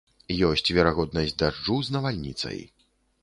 Ёсць верагоднасць дажджу з навальніцай.